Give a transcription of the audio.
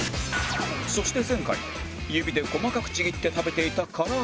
そして前回指で細かくちぎって食べていた唐揚げだが